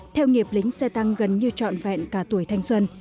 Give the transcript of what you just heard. theo nghiệp lính xe tăng gần như trọn vẹn cả tuổi thanh xuân